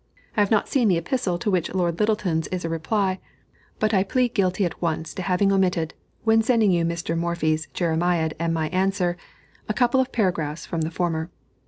I have not seen the epistle to which Lord Lyttelton's is a reply; but I plead guilty at once to having omitted, when sending you Mr. Morphy's jeremiade and my answer, a couple of paragraphs from the former.